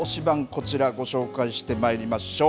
こちらご紹介してまいりましょう。